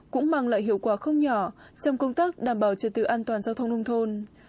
cũng mang lại hiệu quả không nhỏ trong công tác đảm bảo trật tự an toàn giao thông nông thôn